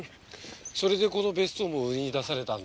それでこの別荘も売りに出されたんだ。